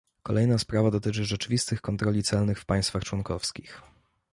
Kolejna sprawa dotyczy rzeczywistych kontroli celnych w państwach członkowskich